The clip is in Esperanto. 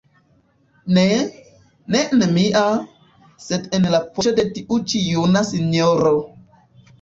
Ne, ne en mia, sed en la poŝo de tiu ĉi juna sinjoro.